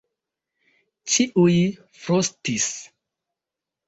Ĉiuj frostis.